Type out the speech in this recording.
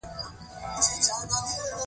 جوار لوبیا ته تکیه ورکوي.